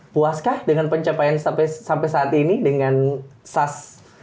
puaskah dengan pencapaian sampai saat ini dengan sas